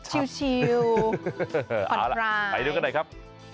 ชิวฝันไพร้เอาล่ะไปดูกันได้ครับ